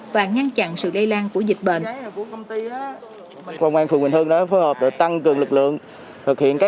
và ngăn chặn sự đây lan của dịch bệnh